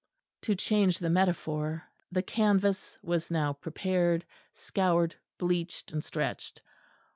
To change the metaphor, the canvas was now prepared, scoured, bleached and stretched.